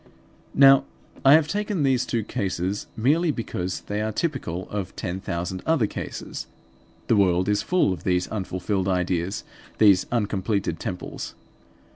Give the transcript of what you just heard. Now I have taken these two cases merely because they are typical of ten thousand other cases; the world is full of these unfulfilled ideas, these uncompleted temples.